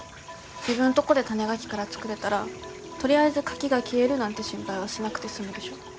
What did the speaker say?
自分とごで種ガキから作れたらとりあえずカキが消えるなんて心配はしなくて済むでしょ？